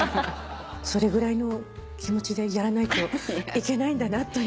それぐらいの気持ちでやらないといけないんだなと。